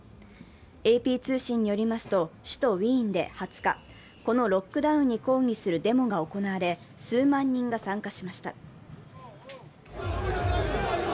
ＡＰ通信によりますと、首都ウィーンで２０日、このロックダウンに抗議するデモが行われ、数万人が参加しました。